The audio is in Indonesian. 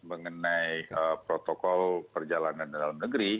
mengenai protokol perjalanan dalam negeri